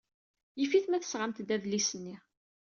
Yif-it ma tesɣamt-d adlis-nni.